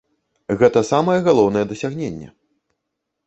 Гэта самае галоўнае дасягненне.